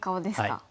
はい。